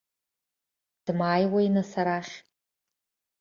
Дмааиуеи, нас, арахь.